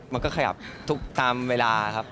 มันก็ขยับทุกตามเวลาครับ